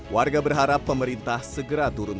warga berharap pemerintah segera turun